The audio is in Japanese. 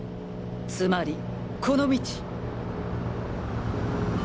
つまりこの道！